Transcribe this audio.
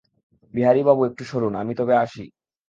বিহারীবাবু একটু সরুন, আমি তবে আসি।